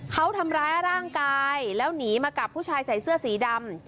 เขาทำร้ายร่างกายแล้วหนีมากับผู้ชายใส่เสื้อสีดำ